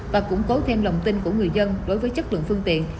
và củng cố thêm lòng tin của người dân đối với chất lượng phương tiện